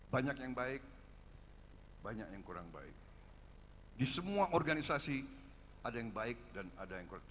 banyak yang baik banyak yang kurang baik di semua organisasi ada yang baik dan ada yang kurang